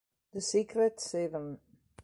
The Secret Seven